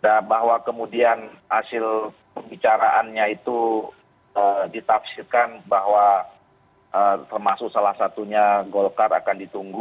nah bahwa kemudian hasil pembicaraannya itu ditafsirkan bahwa termasuk salah satunya golkar akan ditunggu